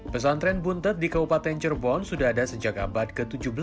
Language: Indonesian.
pesantren buntet di kabupaten cirebon sudah ada sejak abad ke tujuh belas